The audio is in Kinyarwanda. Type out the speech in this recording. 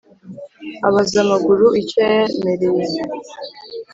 Abaza amaguru icyo yayamereye